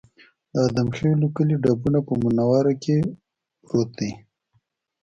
د ادم خېلو کلی ډبونه په منوره کې پروت دی